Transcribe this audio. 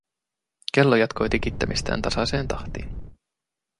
Kello jatkoi tikittämistään tasaiseen tahtiin.